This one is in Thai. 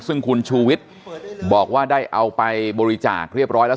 ซึ่งคุณชูวิทย์บอกว่าได้เอาไปบริจาคเรียบร้อยแล้ว